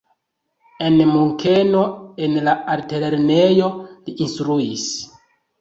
En Munkeno en la altlernejo li instruis.